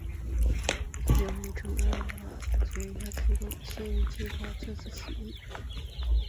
有人宣称阿拉法特和巴勒斯坦民族权力机构预先计划了这次起义。